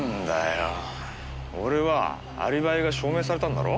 俺はアリバイが証明されたんだろ？